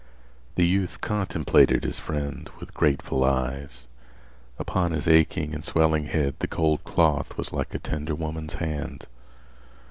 The youth contemplated his friend with grateful eyes. Upon his aching and swelling head the cold cloth was like a tender woman's hand.